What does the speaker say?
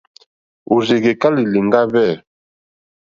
Òrzì kèká lìlìŋɡá hwɛ̂.